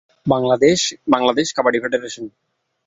Bangladesh kabaddi federation